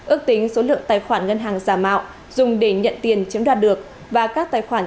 ước tính số lượng tài khoản ngân hàng giả mạo dùng để nhận tiền chiếm đoạt được và các tài khoản